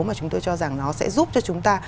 mà chúng tôi cho rằng nó sẽ giúp cho chúng ta